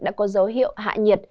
đã có dấu hiệu hạ nhiệt